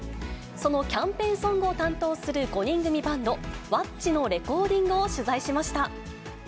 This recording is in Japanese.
そのキャンペーンソングを担当する５人組バンド、ワッチのレコーディングを取材しました。